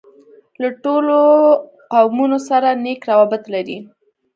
له ټولو قومونوسره نېک راوبط لري.